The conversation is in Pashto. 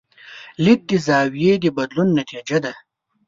لید د زاویې د بدلون نتیجه ده.